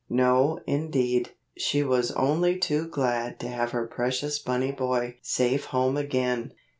No indeed! She was only too glad to have her precious bunny boy safe home again.